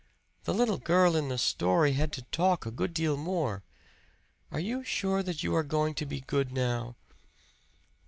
"The little girl in the story had to talk a good deal more. Are you sure that you are going to be good now?"